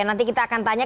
nanti kita akan tanya